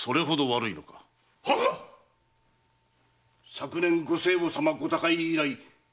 昨年ご生母様ご他界以来気力